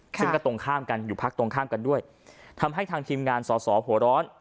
ซึ่งก็ตรงข้ามกันอยู่พักตรงข้ามกันด้วยทำให้ทางทีมงานสอสอหัวร้อน